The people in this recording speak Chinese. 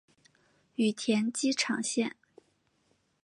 羽田机场线